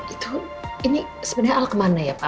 itu ini sebenarnya al kemana ya pak